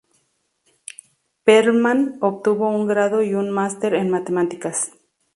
Perlman obtuvo un grado y un master en matemáticas.